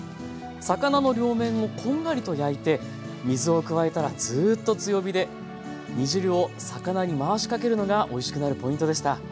魚の両面をこんがりと焼いて水を加えたらずっと強火で煮汁を魚に回しかけるのがおいしくなるポイントでした。